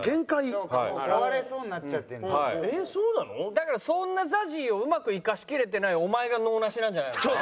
だからそんなＺＡＺＹをうまく生かしきれてないお前が能無しなんじゃないのか？